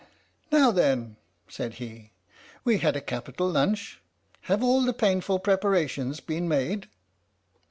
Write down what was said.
" Now then," said he, "we've had a capital lunch. Have all the painful preparations been made?"